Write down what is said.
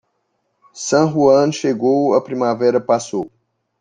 San Juan chegou, a primavera passou.